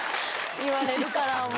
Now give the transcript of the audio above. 言われるから、もう。